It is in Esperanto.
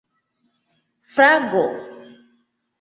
flago